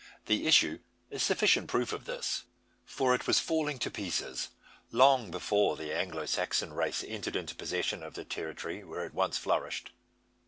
The issue is sufficient proof of this. For it was falling to pieces, long before the Anglo Saxon race entered into possession of the territory where it once flourished.